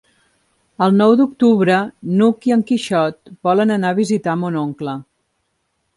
El nou d'octubre n'Hug i en Quixot volen anar a visitar mon oncle.